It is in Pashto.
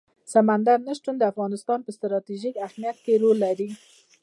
سمندر نه شتون د افغانستان په ستراتیژیک اهمیت کې رول لري.